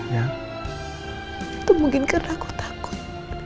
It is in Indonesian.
ya itu mungkin karena aku takut